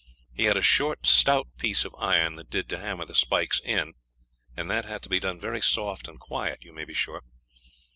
He had a short stout piece of iron that did to hammer the spikes in; and that had to be done very soft and quiet, you may be sure.